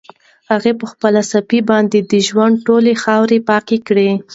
هغه په خپله صافه باندې د ژوند ټولې خاورې پاکې کړې.